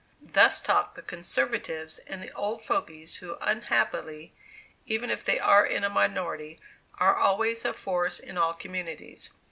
Thus talked the conservatives and the "old fogies," who unhappily, even if they are in a minority, are always a force in all communities.